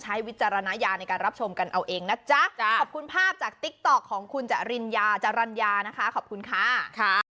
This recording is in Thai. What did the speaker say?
วิจารณญาณในการรับชมกันเอาเองนะจ๊ะขอบคุณภาพจากติ๊กต๊อกของคุณจริญญาจรรยานะคะขอบคุณค่ะ